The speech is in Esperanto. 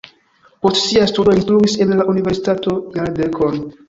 Post siaj studoj li instruis en la universitato jardekon.